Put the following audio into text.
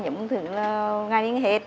giống như là ngày đến hết